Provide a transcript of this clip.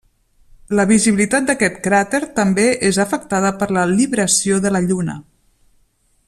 La visibilitat d'aquest cràter també és afectada per la libració de la Lluna.